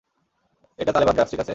এটা Taliban drugs, ঠিক আছে?